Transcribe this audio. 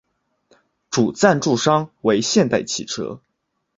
主赞助商为现代汽车。